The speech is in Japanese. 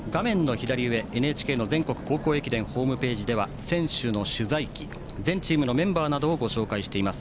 左上、ＮＨＫの全国男子駅伝ホームページでは選手の取材記全チームのメンバーなどをご紹介しています。